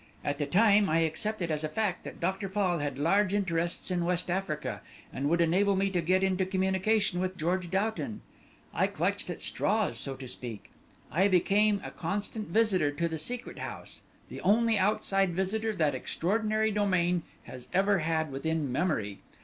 "At the time I accepted as a fact that Dr. Fall had large interests in West Africa, and would enable me to get into communication with George Doughton. I clutched at straws, so to speak; I became a constant visitor to the Secret House, the only outside visitor that extraordinary domain has ever had within memory.